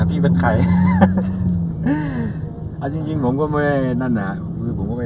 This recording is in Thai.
เผ็ดไปยังรถเร็ว